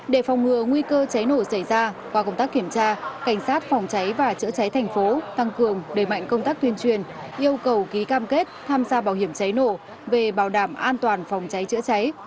để phòng ngừa nguy cơ cháy nổ xảy ra qua công tác kiểm tra cảnh sát phòng cháy và chữa cháy thành phố tăng cường đề mạnh công tác tuyên truyền yêu cầu ký cam kết tham gia bảo hiểm cháy nổ về bảo đảm an toàn phòng cháy chữa cháy